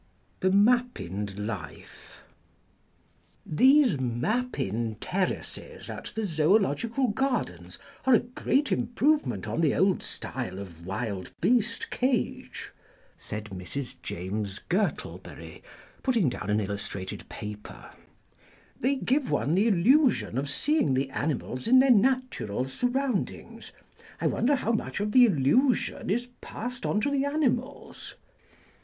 THE MAPPINED LIFE "These Mappin Terraces at the Zoological Gardens are a great improvement on the old style of wild beast cage," said Mrs. James Gurtleberry, putting down an illustrated paper; "they give one the illusion of seeing the animals in their natural surroundings. I wonder how much of the illusion is passed on to the animals?"